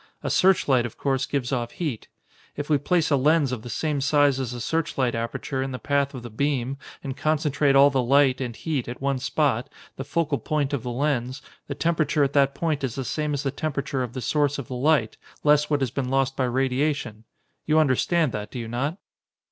A searchlight, of course, gives off heat. If we place a lens of the same size as the searchlight aperture in the path of the beam and concentrate all the light, and heat, at one spot, the focal point of the lens, the temperature at that point is the same as the temperature of the source of the light, less what has been lost by radiation. You understand that, do you not?"